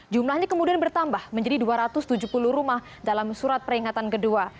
jumlahnya kemudian bertambah menjadi dua ratus tujuh puluh rumah dalam surat peringatan kedua